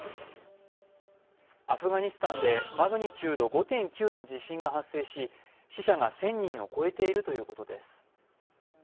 アフガニスタンでマグニチュード５．９の地震が発生し、死者が１０００人を超えているということです。